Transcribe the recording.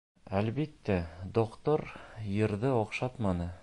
Әлбиттә, доктор йырҙы оҡшатманы.